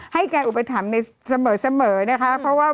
ให้อุปถัมธ์ในเสมอเสมอนะคะเพราะว่า